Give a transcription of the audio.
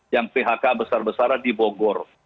yang phk besar besaran dibonggor